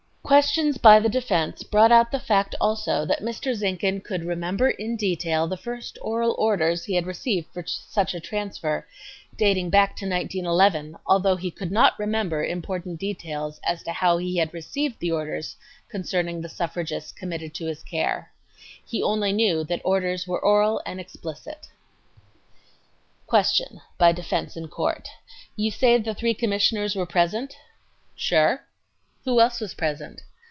Questions by the defense brought out the fact also that Mr. Zinkhan could remember in detail the first oral orders he had received for such a transfer, dating back to 1911, although he could not remember important details as to how he had received the orders concerning the suffragists committed to his care! He only knew that "orders were oral and explicit." Q. [By defense in court You say the three commissioners were present? A. Sure. Q. Who else was present?